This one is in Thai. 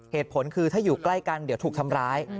เหตุผลคือถ้าอยู่ใกล้กันเดี๋ยวถูกทำร้าย